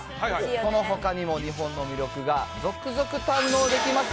そのほかにも日本の魅力が続々堪能できます。